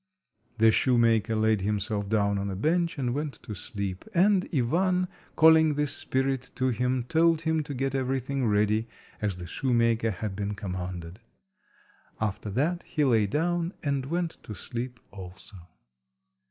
The shoemaker laid himself down on a bench and went to sleep, and Ivan, calling the spirit to him, told him to get everything ready as the shoemaker had been commanded. After that he lay down, and went to sleep also.